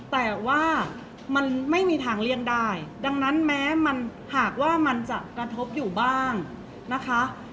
แต่ว่ามันไม่มีทางเลี่ยงได้ดังนั้นแม้มันหากว่ามันจะกระทบอยู่บ้างนะคะ